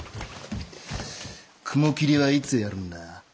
雲霧はいつやるんだ？